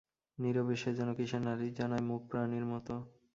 নীরবে সে যেন কিসের নালিশ জানায়, মূক প্রাণীর মতো।